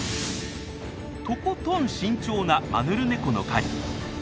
とことん慎重なマヌルネコの狩り。